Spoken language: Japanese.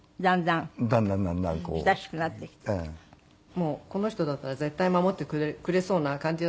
もうこの人だったら絶対守ってくれそうな感じだったので。